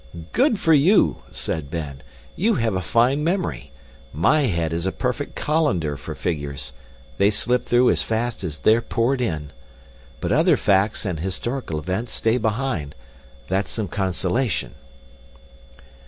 "Good for you!" said Ben. "You have a fine memory. MY head is a perfect colander for figures. They slip through as fast as they're poured in. But other facts and historical events stay behind that's some consolation."